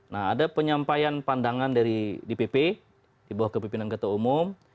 nah ada penyampaian pandangan dari dpp di bawah kepimpinan ketua umum